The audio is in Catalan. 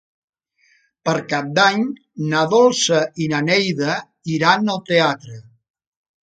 Per Cap d'Any na Dolça i na Neida iran al teatre.